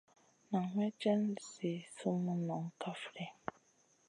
Nan may cèn zi sumun kaf ɗi.